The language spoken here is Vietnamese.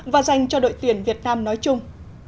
và dành cho đội tuyển việt nam nói chung